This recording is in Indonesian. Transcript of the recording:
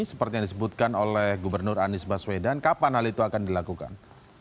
seperti yang disebutkan oleh gubernur anies baswedan kapan hal itu akan dilakukan